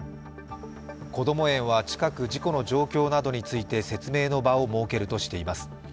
こども園は近く事故の状況などについて説明の場を設けるとしています。